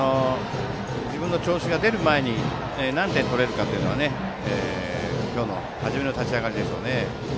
自分の調子が出る前に何点取れるかというのは今日初めの立ち上がりでしょうね。